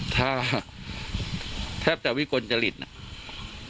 ถ้าแทบแต่วิกลจริตนะ